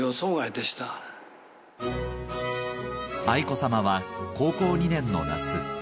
愛子さまは高校２年の夏